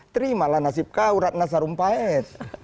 terimalah nasib kau ratna sarumpahit